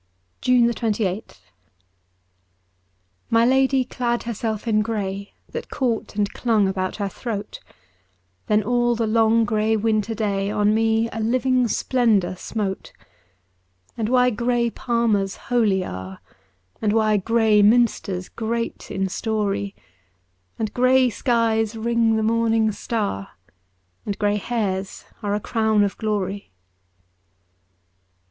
196 JUNE 28th MY Lady clad herself in grey, That caught and clung about her throat ; Then all the long grey winter day On me a living splendour smote ; And why grey palmers holy are, And why grey minsters great in story. And grey skies ring the morning star, And grey hairs are a crown of glory.